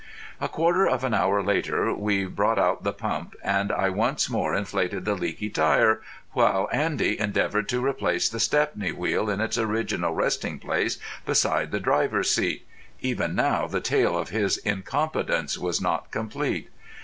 A quarter of an hour later we brought out the pump, and I once more inflated the leaky tyre, while Andy endeavoured to replace the Stepney wheel in its original resting place beside the driver's seat. Even now the tale of his incompetence was not complete.